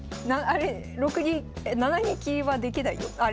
あれ６二７二金はできないよ。